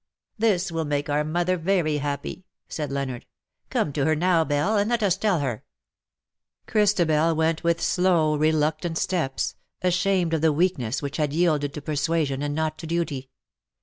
"This will make our mother very happy," said Leonard. " Come to her now, Belle, and let us tell her.^^ Christabel went with slow, reluctant steps, ashamed of the weakness which had yielded to persuasion and not to duty.